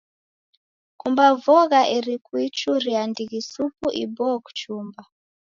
Kumba vogha eri kuichuria ndighi supu iboo kuchumba.